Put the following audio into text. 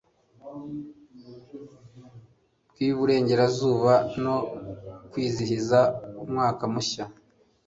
bwiburengerazuba no kwizihiza umwaka mushya